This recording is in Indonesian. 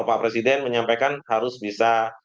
pak presiden menyampaikan harus bisa